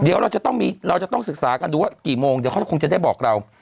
เดี๋ยวเราจะต้องเราจะต้องศึกษากันดูว่ากี่โมงเดี๋ยวเขาคงจะได้บอกเรา